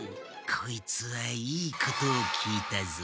こいつはいいことを聞いたぞ。